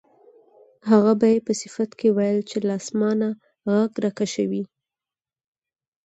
هغه به یې په صفت کې ویل چې له اسمانه غږ راکشوي.